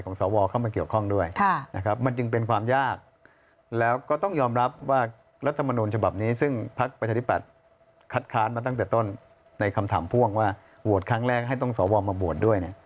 ในคำถามพ่วงว่าโหวตครั้งแรกให้ตรงสวมมาโหวตด้วย